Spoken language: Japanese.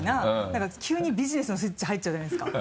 何か急にビジネスのスイッチ入っちゃうじゃないですか。